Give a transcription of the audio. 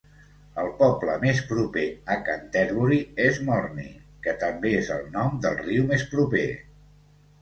El poble més proper a Canterbury és Morney, que també és el nom del riu més proper.